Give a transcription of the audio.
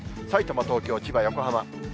さいたま、東京、千葉、横浜。